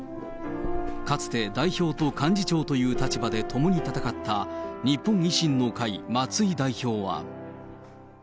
かつて代表と幹事長という立場で共に戦った、日本維新の会、松井代表は。